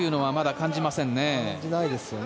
感じないですよね。